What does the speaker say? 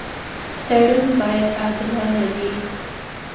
تړون باید عادلانه وي.